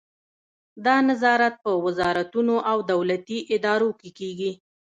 دا نظارت په وزارتونو او دولتي ادارو کې کیږي.